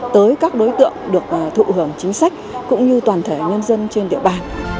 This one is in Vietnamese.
tới các đối tượng được thụ hưởng chính sách cũng như toàn thể nhân dân trên địa bàn